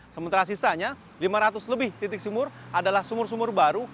sementara sisanya lima ratus lebih titik sumur adalah sumur sumur baru